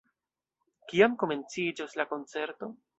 Kiam komenciĝos la koncerto?